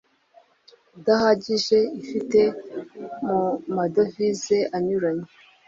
udahagije ifite mu madovize anyuranye